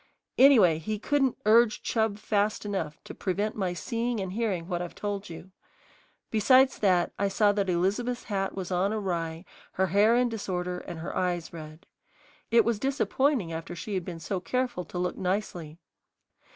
Anyway, he couldn't urge Chub fast enough to prevent my seeing and hearing what I've told you. Besides that, I saw that Elizabeth's hat was on awry, her hair in disorder, and her eyes red. It was disappointing after she had been so careful to look nicely.